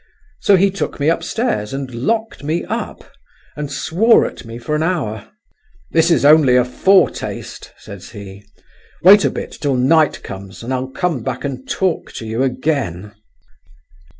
So he took me upstairs and locked me up, and swore at me for an hour. 'This is only a foretaste,' says he; 'wait a bit till night comes, and I'll come back and talk to you again.